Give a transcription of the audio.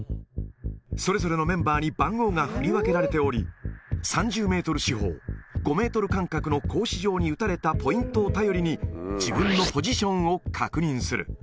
それぞれのメンバーに番号が振り分けられており、３０メートル四方、５メートル間隔の格子状に打たれたポイントを頼りに自分のポジションを確認する。